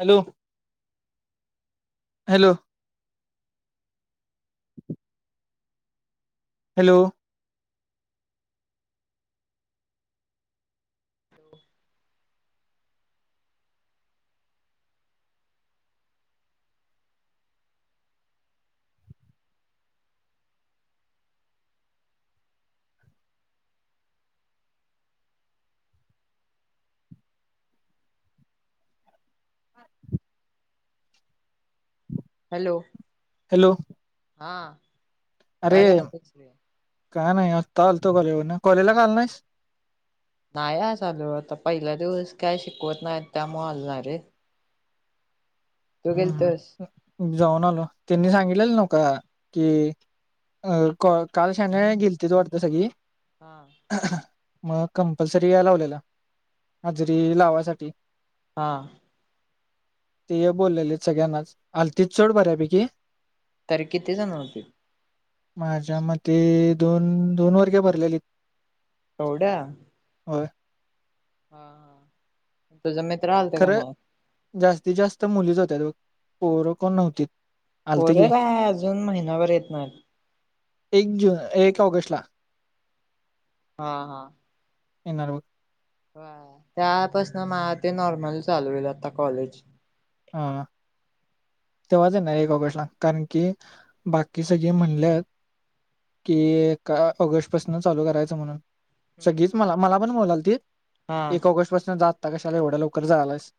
Hello, hello. Hello! [inaudible] Hello! Hello! हा! अरे काय करातेसले. काय नाही आता आलतो कॉलेज वरून, कॉलेजला का आला नाहीस. नाही आज आलो पहिला दिवस, काय शिकवत नाही त्यामुळे आलो नाही रे तू हम्म गेलातास. जाऊन आलो. त्यांनी सांगितल नो. का के अ कॉ काल संध्याकाळी गेलती वाटतं सगळी. हा! मग कंपल्सरी यायला लावलेला, हजरी लावासाठी. हा! [inaudible] बोललेले सगळ्यांनाच, आलतीत सोड बऱ्यापैकी. तर किती जण होती? माझ्या मते दोन, दोन वर्गे भरलेली. हूड्या. हा! तुझा मित्र आलते का खरं नाय? जास्तीत, जास्त मुलीच होत्यांत पोर कोण नव्हती. पोर काय अजून महिनाभर येत नाय. एक जून, एक ऑगस्ट ला. हां हा! येणार हो त्यापासन म ते नॉर्मल चालू होईल, आता कॉलेज. हा तेव्हाच येणार एक ऑगस्ट ला, कारण की बाकी सगळे म्हणल्यात, कि एक ऑगस्ट पासून चालू करायचं म्हणून. हम्म. सगीच मला मला पण बोलाल ती हा एक ऑगस्ट पासून जात आता कशाला एवढ्या लवकर जायालास?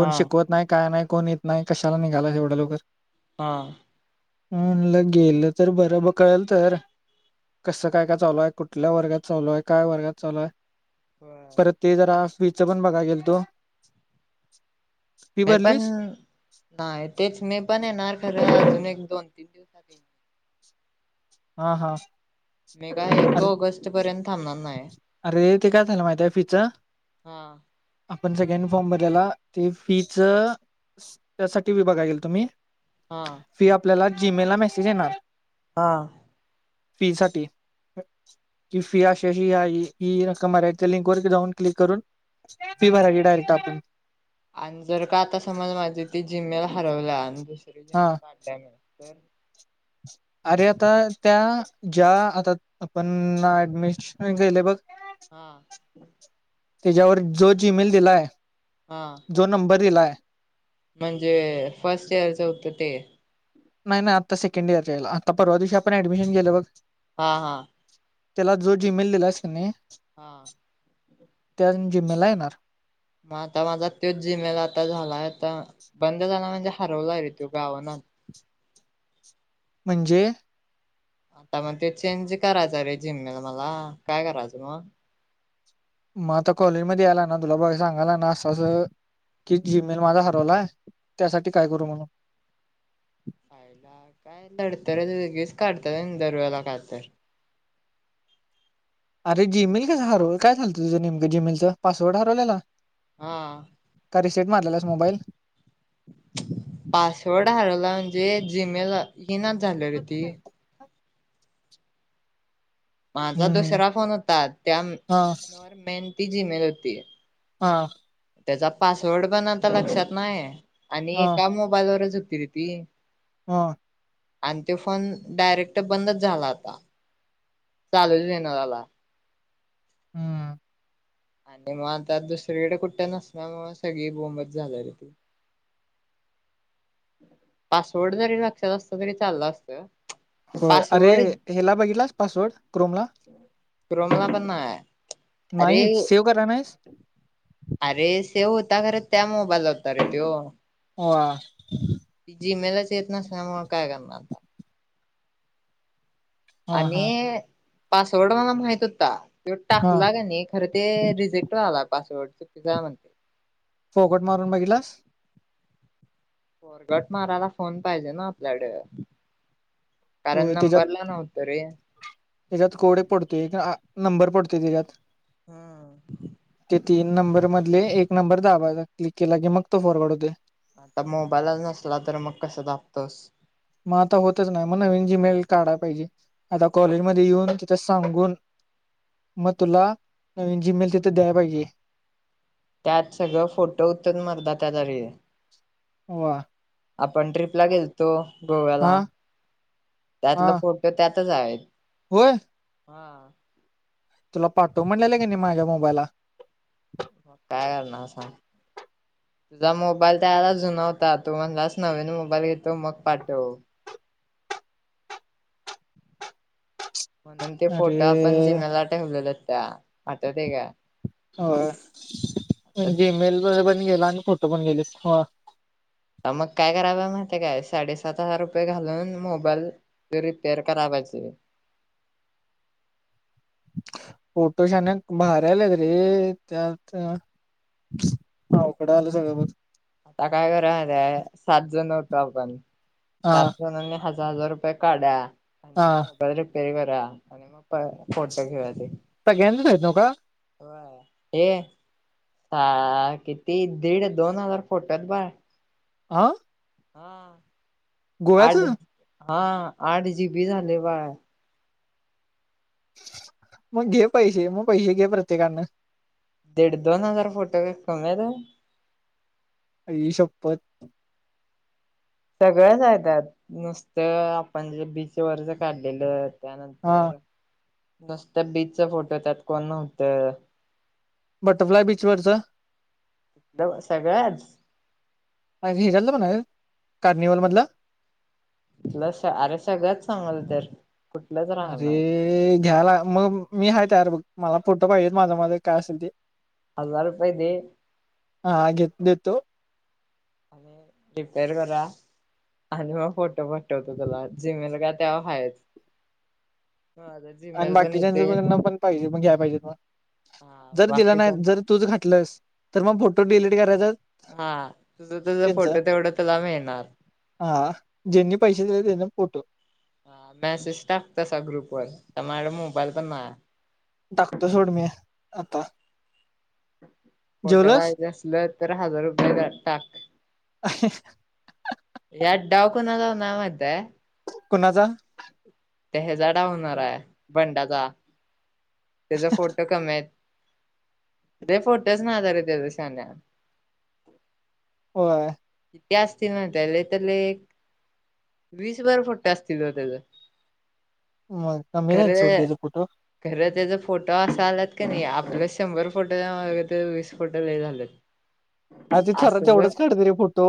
हा शिकवत नाही. काय नाही? कोण येत नाही? कशाला निघाला एवढ्या लवकर? हा हम म्हणलं गेलं तर बरं ब कळेल तर कसं काय काय चालूय? कुठल्या वर्गात चालू आहे? काय वर्गात चालूय? होय. परत ते जरा फीच पण बघा गेलो होतो. मी पण, नाही तेच मी पण येणार खरं एक- दोन दिवसात. हा. हा. मेघा येतो एक अरे ऑगस्ट पर्यंत थांबणार नाही. अरे ते काय झालं माहिती फीच हा आपण सेकंड फॉर्म भरलेला ते फीच त्यासाठी बी बघायला गेलतो मी. हा. फी आपल्याला जीमेल ला मेसेज येणार. हा फी साठी कि फी अशी अशी आहे. ही रक्क मेलला आहे लिंक वर जाऊन क्लिक करून फी भरायची डायरेक्ट आपण. आणि जर का आता समज माझी ती जिम्मेल हरवला आणि हा [unintelligible] अरे आता त्या ज्या आता आपण ऍडमिशन घेयेल आहे बघ हा! त्याच्यावर जो जीमेल दिलाय हा जो नंबर दिलाय [inaudible] म्हणजे फर्स्ट इयरच होतं ते. नाही नाही आत्ता सेकंड इयर यायला आत्ता परवा दिवशी आपण ऍडमिशन गेल बघ हां हां त्याला जो जीमेल दिलास की नाही हां जे मला येणार म आता माझा तोच जिमेल आता झालाय आता. बंद झाला म्हणजे हरवलाय रे तो गावना. म्हणजे आता मग ते चेंज करायचं रे जी मेल मला काय करायचं मग? मग आता कॉलेज मध्ये याय लागणार तुला बघ सांगायला लागणार असं असं कि जीमेल माझा हरवलाय त्यासाठी काय करू म्हणून च्यायला काय लडतरच वेगळीच काढतात होनी दर वेळेला काय तर अरे जीमेल कसं हरवलं काय झालतं तुझं नेमकं जीमेलचं पासवर्ड हरवलेलं? हां रिसेट मारलेलास मोबाईल? पासवर्ड हरवला म्हणजे जीमेल ईनाच झालंय रे ती. माझा हम्म हम्म. दुसरा फोन होता त्या हा फोनवर मेन ती जीमेल होती. हां. त्याचा पासवर्ड पण आता लक्षात नाही आणि एका मोबाईलवरच हो ती रे ती. हां. आणि त्यो फोन डायरेक्ट बंदच झाला होता चालूच हुईना झाला. हम्म. आणि मग आता दुसरीकडे कुठं नसल्यामुळं सगळी बोंबच झाल्या रे ती. पासवर्ड जरी लक्षात असतं तरी चाललं असतं. होय अरे पासवर्ड हेला बघितलास पासवर्ड क्रोमला? क्रोमला पण नाय. अरे नाहीच सेव्ह कराय नाहीस? सेव होता खरं त्या मोबाईलला होता रे त्यो. [unintelligible] ते जीमेलच येत नसल्यामुळं काय करणार आता? हा हा आणि पासवर्ड मला माहित होता. त्यो हा टाकला क नाही खरं ते रिजेक्ट [unintelligible] पासवर्ड चुकीचा आहे म्हणतंय. फॉरगॉट मारून बघितलास? फॉरगॉट मारायला फोन पाहिजे ना आपल्याकडं. कारण नंबरला नव्ह त रे. त्याज्यात कोड एक पडतोय [unintelligible] नंबर पडतोय त्याज्यात. हम्म. तीन नंबर मधले एक नंबर दाबायचा क्लिक केला की मग तो फॉरगॉट होतोय. आता मोबाईलच नसला तर मग कसं दाबतोस? म आता होतच नाही मग नवीन जीमेल काढाय पाहिजे आता कॉलेजमध्ये येऊन तिथं सांगून म तुला नवीन जीमेल तिथं द्याय पाहिजे. त्यात सगळं फोटो हुतं [unintelligible] वा. आपण ट्रीपला गेलतो गोव्याला हा हा त्यातलं फोटो त्यात तच आहेत. होय? हा तुला पाठव म्हणलेला क नाही माझ्या मोबाईलला? मग काय करणार सांग तुझा मोबाईल त्या वेळेला जुना होता तू म्हणालास नवीन मोबाईल घेतो मग पाठव. म्हणून ते अरे फोटो आपण जी मेलला ठेवलेलं त्या आठवतंय का? होय जीमेल पण गेला आणि फोटो पण गेलेत हो. मग काय करायचं माहिती आहे काय साडेसात हजार रुपये घालून मोबाईल रिपेअर करा पाहिजे. फोटो शान भारी आलेत रे त्यात अवघड आलं सगळं बघ. आता काय कराय सात [unintelligible] हा सात जनानी हज हजार रुपये काढा. हा [unintelligible] मोबाईल रिपेरी कर डा आणि पळ फोटो घेऊया ते. सगळ्याच हायत नवका व्हय ए आ किती दीड दोन हजार फोटो हायत बाळ. आ. हा आं. गोव्याचं. हा आठ जीबी झालय बाळ. मग घे पैसे म पैसे घे प्रत्येकानं दीड दोन हजार फोटो काय कमी हायत होय. आई शप्पथ. सगळंच हाय त्यात नुसतं आपण जे बीच वरच काढलेलं हा त्यानंतर नुसत बीच फोटो त्यात कोण नव्हत बटरफ्लाय बीचवरच लव सगळंच बाकी हेच्यातल पण हाय कार्निवल मधल. इथलं अरे सगळंच सांगलोय तर कुठलंच राहणार अरे घ्याला मग मी हा [unintelligible] मला फोटो पाहिजे माझं माझं काय असेल ते. हजार रुपये दे हा घेत देतो. रिपेर करूया आणि मग फोटो पाटवतो तुला जिमेल काय त्याव हायच माझा आणि जीमेल पण येते बाकीच्याच आपण पाहिजे घ्या पाहिजेत मग हा जर दिल नाइ बाकीच्या जर तूच घातलस तर मग पू डिलीट करायचत हा तुझ तुझ फोटो तेवढं तूला मिळणार. हा ज्यांनी पैसे दिले त्यांना फोटो. हा मेसेज टाक तसा ग्रुप वर आता माझ्याकड मोबाईल पण नाया. टाकतो सोड मी आता. फोट जेवलस पाहिजे असल तर हजार रुपये [unintelligible] टाक यात डाव कुणाचा [unintelligible] माहित्याय कुणाचा. त्या हेजा डाव हुणार हाय बंडाचा तेज फोटो कमी हायत. लय फोटोचं नायात तेज शान्या. व्हय. ती असतील माहित्याय लय तर लय एक वीस भर फोटो असतील बघ तेज. मग कमी नाही सोड त्याच फोटो खरं त्याचा फोटो असा आलात का नाही आपल्या शंभर फोटो वीस फोटो ल झालेत. अ तेथरात असलं तेवढच काढत रे फट. फो तो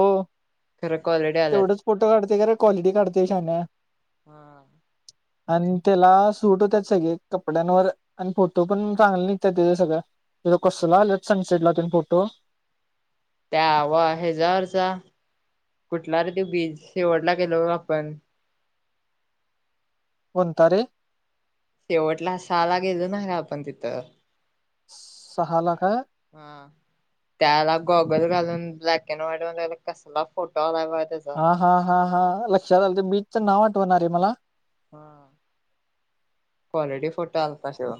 खरं क्वालिटी आल्यात. तेवढच फोटो काढते का र क्वालिटी काढते छान हा आणि त्याला सूट होतात सगळे कपड्यांवर आणि फोटो पण चांगले निघतात त्याच सगळं इ कोस लेफ्ट सड सईड ला न पटो त्यावा हच्यावररचा कुठला र त बीज शेवडला गेलो आपण होणता रे शेवटला असाला गेलो ना का आपण तिथं सहाला काय ह त्याला गॉगल घालून ब्लॅक अँड व्हाईट कसला फोटो आला हा हा हा हा लक्षात आलं बीच नाव होणार आहे मला ह क्वालिटी फोटो आलफशव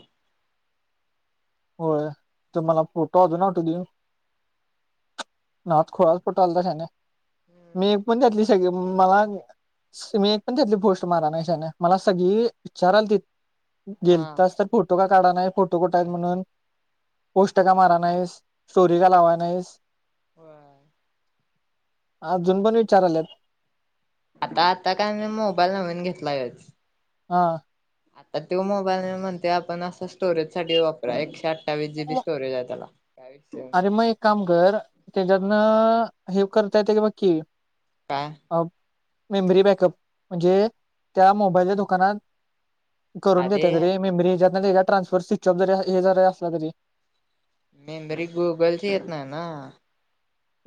होय तर मला फोटो अजूनून आठू देऊ नाद खोळाात फोटो आला तशाने मी एक पण घातली मला मी एक पण त्यातली गोष्ट मारा नाही त्याने मला सगळी विचारायल त हा गेलता असत फोटो का काढाणार फोटो तोकोट म्हणून पोष्टट का मारा नाहीस स्टोरी का लावा नाहीस ह हा अजून पण विचार आलेत आता आता काय मी मोबाईल नवीन घेतलायच हा आता तो मोबाईल नाही म्हणते आपण असं स्टोरेज साठी वापरा एकशे अठ्ठावीस जी बी स्टोरेज आहे त्याला. काय विषय अरे नाही मग एक काम कर हा त्याच्यातनं हे करता येतय का बघ की का मेमरी बॅकअप म्हणजे त्या मोबाईलच्या दुकानात करून अरे देत्यात रे मेमरी येज्यात. नाही ते येज्यात ट्रान्सफर सिचऑप जरी हे जरी असला तरी मेमरी गुगलची येत नाय ना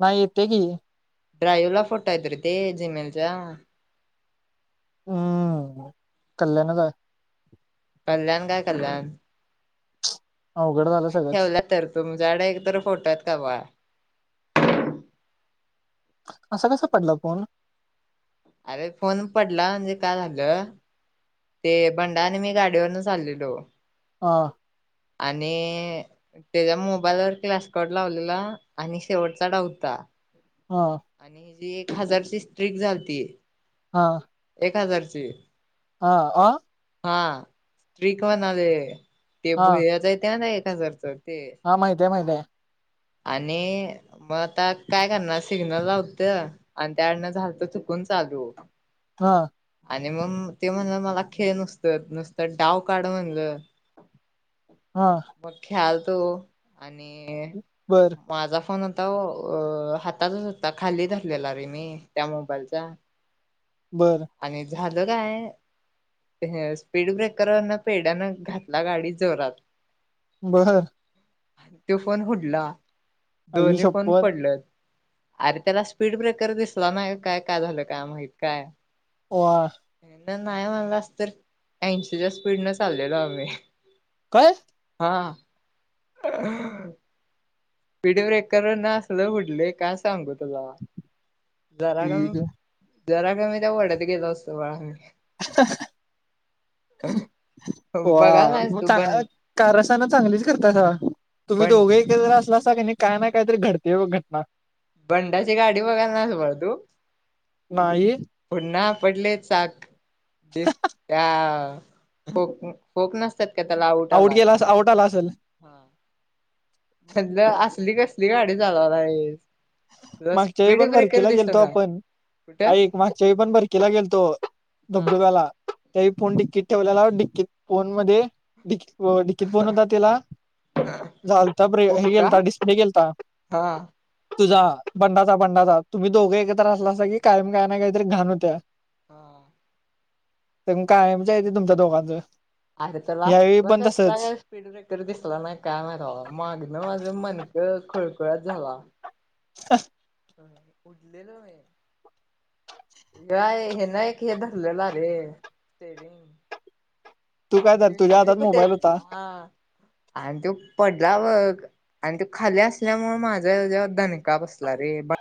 नाही येत्या की ड्राईव्ह ला फोटो आहेत रे ते जिमेलच्या हम्म कल्याणच हाय. कल्याण काय कल्याण अवघड झालं मी सगळंच ठेवल्यात तर तुमच्याकडं एक तर फोटो आहेत का बघा? असं कसा पडला फोन? अरे फोन पडला म्हणजे का झालं ते बंडा आणि मी गाडीवरन चालल्यालो हा. आणि त्याच्या मोबाईलवर क्लासकोट लावलेला आणि शेवटचा डाव होता. हा. आणि एक हजारची स्ट्रिक झालती. हा. एक हजारची हा अ [unintelligible] ते हा भुयाच आहे त्या नाही जर तर हा माहिती आहे माहिती आहे. आणि मग आता काय करणार सिग्नलला होत आणि त्याकडन झालत चुकून चालू हा आणि मग ते म्हणलं, मला खेळ नुसतं-नुसतं डाव काढ म्हणलं. हा मग खेळालं. तो. आणि. बर माझा फोन. आता हो अ हातातच होता, खाली धरलेला रे मी त्या मोबाईलचा. बरं. आणि झालं काय स्पीड ब्रेकरवरन पेड्यान घातला गाडी जोरात. बहर. त्यो फोन उडला आई दोन्ही पण शपथ पडलेत. अरे त्याला स्पीड ब्रेकर दिसला नाय काय, काय झालं, काय माहित काय. वॉर. नाही म्हणलास, तर ऐंशीच्या स्पीड न चाललेलो आम्ही काय? हां. स्पीड ब्रेकरवरन असलं उडलोय काय सांगू तुला जरा ठीक कमी जरा का मी त्या वड्यात गेलो असतो वळानं. बघायला वा, नाहीस मग तू का बंड कारस्थाना चांगलीच करता. तुम्ही बंड दोघं एकत्र असलास. का नाही काय तरी घडतेय बघ घटना. बंडाची गाडी बघायला नास बाळा तू, नाही पुन्हात. पडले चाक. आ [unintelligible] होप नसतात. आऊट गेलास, आवट आला असल. हा. म्हणलं असली कसली गाडी चालवालाईस. मागच्या वेळी पण बरकीला गेलतो आपण, कुठं ऐक मागच्या वेळी पण बरकीला गेलतो हा धबधब्याला. त्यावेळी फोन डिकीत ठेवलेलाव डीकित फोन मध्ये हो डिकीत फोन होता तेला झालता ब्रे हे बुक्का गेलता डिस्प्ले गेलता. हा तुझा बंडाचा बंडाचा तुम्ही दोघं एकत्र असलासा की कायम काय नाही काहीतरी घाण होत्या. हा. तर म कायमच आहे ते तुमच्या दोघांचं. अरे त्याला यावेळी पण कसला तसंच काय स्पीड ब्रेकर दिसला नाय काय माहिती राव मागनं माझं मन क खुळखुळाच झाला. [unintelligible] ह उडलेल होय. काय हे ना एक हे धरलेलं रे स्टेरींग. तू काय तर मी तुझ्या मी हातात कुठं मोबाईल होता. हा आणि तो पडला बघ, आणि तो खाली असल्यामुळे माझ्या ह्याच्यावर दणका बसला रे.